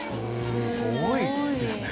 すごいですね！